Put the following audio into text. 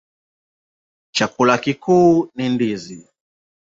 Chakula kikuu ni ndizi.